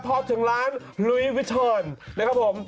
พอถึงร้านลุย์วิทย์เซอร์น